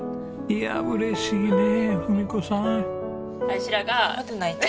いや嬉しいね文子さん。